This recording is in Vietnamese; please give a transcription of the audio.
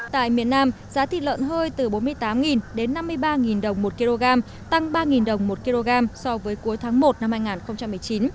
tại miền nam giá thịt lợn hơi từ bốn mươi tám đến năm mươi ba đồng một kg tăng ba đồng một kg so với cuối tháng một năm hai nghìn một mươi chín